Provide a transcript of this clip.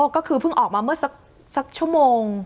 ก็คือเพิ่งออกมาเมื่อสักชั่วโมง